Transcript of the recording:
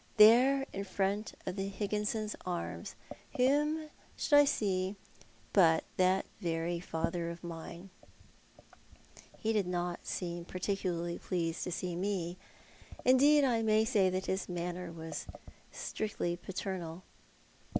There in front of the Higginson Arms whom should I see but that very father of mine ! He did not seem particularly pleased to see me. Indeed, I may say that his manner was strictly paternal.